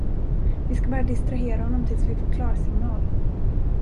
Vi ska bara distrahera honom tills vi får klarsignal.